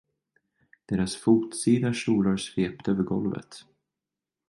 Deras fotsida kjolar svepte över golvet.